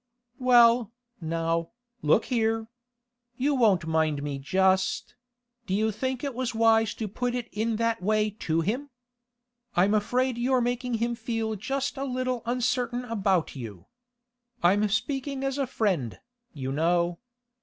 'Well, now, look here. You won't mind me just—Do you think it was wise to put it in that way to him? I'm afraid you're making him feel just a little uncertain about you. I'm speaking as a friend, you know.